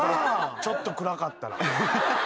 ちょっと暗かったら。